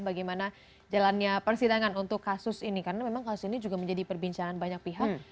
bagaimana jalannya persidangan untuk kasus ini karena memang kasus ini juga menjadi perbincangan banyak pihak